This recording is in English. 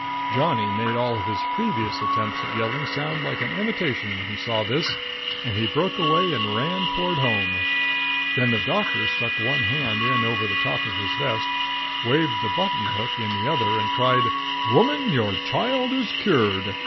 Johnny made all his previous attempts at yelling sound like an imitation when he saw this, and he broke away and ran toward home. Then the Doctor stuck one hand in over the top of his vest, waved the button hook in the other, and cried: "Woman, your child is cured!